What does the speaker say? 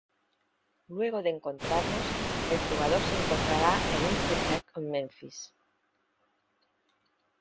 Luego de encontrarlos, el jugador se encontrará a Imhotep en Menfis.